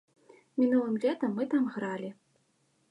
Мінулым летам мы там гралі.